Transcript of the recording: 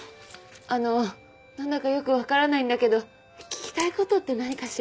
あの何だかよく分からないんだけど聞きたいことって何かしら？